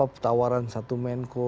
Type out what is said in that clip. apa tawaran satu menko